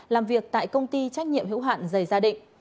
làm việc tại công ty trách nhiệm hữu hạn dày gia định